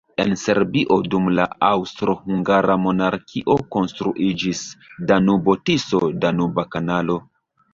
En Serbio dum la Aŭstro-Hungara Monarkio konstruiĝis Danubo-Tiso-Danuba Kanalo.